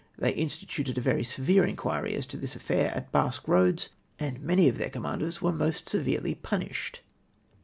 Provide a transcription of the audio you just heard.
They instituted a ver}^ severe inquiry as to this afKiir at Basque Eoads, and many of their commanders were most severely punished.